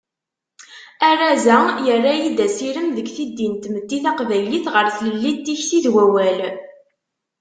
Arraz-a, yerra-yi-d asirem deg tiddin n tmetti taqbaylit ɣer tlelli n tikti d wawal.